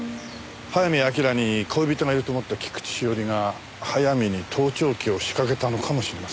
早見明に恋人がいると思った菊地詩織が早見に盗聴器を仕掛けたのかもしれません。